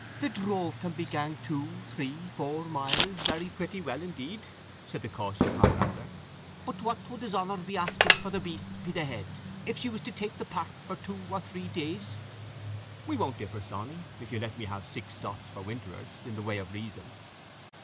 "The drove can pe gang two, three, four miles very pratty weel indeed," said the cautious Highlander; "put what would his honour pe axing for the peasts pe the head, if she was to tak the park for twa or three days?" "We won't differ, Sawney, if you let me have six stots for winterers, in the way of reason."